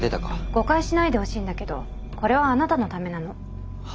誤解しないでほしいんだけどこれはあなたのためなの。は？